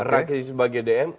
rakitis sebagai dm